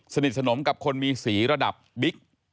สนิทสนมกับคนมีสีระดับบิ๊ก